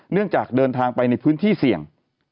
เนื่องจากเดินทางไปในพื้นที่เสี่ยง